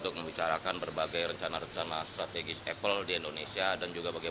saya pikir kemampuan investasi di indonesia tidak berakhir